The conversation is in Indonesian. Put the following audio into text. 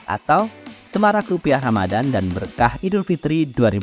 atau semarak rupiah ramadan dan berkah idul fitri dua ribu dua puluh